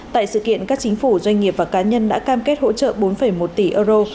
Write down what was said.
tại sự kiện các chính phủ doanh nghiệp và cá nhân đã cam kết hỗ trợ bốn một tỷ euro